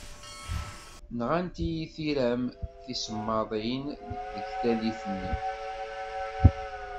Nɣant-iyi tiram tisemmaḍin deg tallit-nni.